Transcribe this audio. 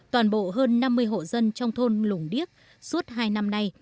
toàn bộ hơn năm mươi hộ dân trong thôn lủng điếc suốt hai năm nay